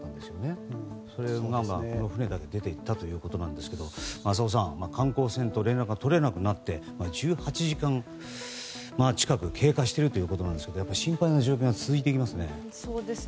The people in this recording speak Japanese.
この船だけ出ていったということですが浅尾さん、観光船と連絡が取れなくなって１８時間近くが経過しているということですが心配な状態が続きますね。